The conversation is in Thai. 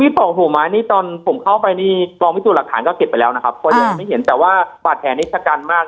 ปอกหูไม้นี่ตอนผมเข้าไปนี่กองพิสูจน์หลักฐานก็เก็บไปแล้วนะครับเพราะยังไม่เห็นแต่ว่าบาดแผลนี้ชะกันมาก